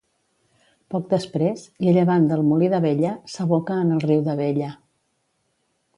Poc després, i a llevant del Molí d'Abella, s'aboca en el riu d'Abella.